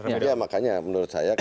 ya makanya menurut saya